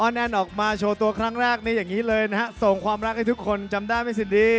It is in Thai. แน่นออกมาโชว์ตัวครั้งแรกนี้อย่างนี้เลยนะฮะส่งความรักให้ทุกคนจำได้ไม่สิดี